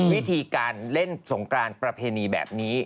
วิธีการเล่นสงกรานประเพณีแบบนี้